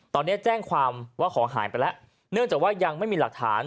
ตอนนี้แจ้งความว่าขอหายไปแล้วเนื่องจากว่ายังไม่มีหลักฐาน